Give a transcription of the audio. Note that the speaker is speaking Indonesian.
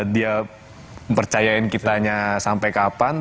dia percayain kitanya sampai kapan